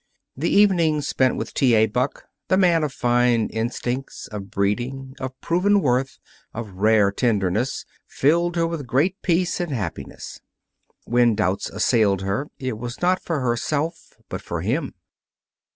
The evenings spent with T. A. Buck, the man of fine instincts, of breeding, of proven worth, of rare tenderness, filled her with a great peace and happiness. When doubts assailed her, it was not for herself but for him.